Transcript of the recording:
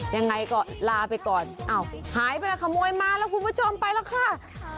ยังไงก็ลาไปก่อนอ้าวหายไปแล้วขโมยมาแล้วคุณผู้ชมไปแล้วค่ะ